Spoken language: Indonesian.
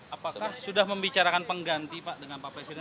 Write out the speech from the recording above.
apakah sudah membicarakan pengganti pak dengan pak presiden